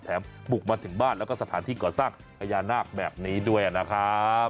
บุกมาถึงบ้านแล้วก็สถานที่ก่อสร้างพญานาคแบบนี้ด้วยนะครับ